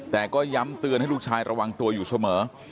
แต่ก็ย้ำเตือนให้ลูกชายระวังตัวอยู่เสมอ